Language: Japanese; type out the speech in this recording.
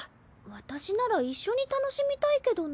私なら一緒に楽しみたいけどな。